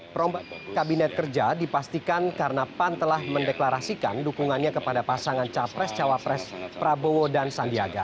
perombak kabinet kerja dipastikan karena pan telah mendeklarasikan dukungannya kepada pasangan capres cawapres prabowo dan sandiaga